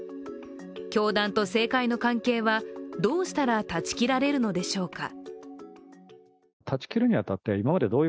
教団と政界の関係はどうしたら断ちきられるのでしょうか。